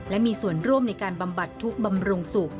และมีส่วนร่วมในการบำบัดทุกข์บำรุงสุข